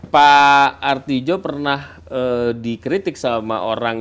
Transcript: pak artijo pernah dikritik sama orang